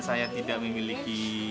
saya tidak tahu